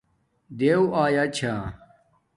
دیݸ آیاچھݳ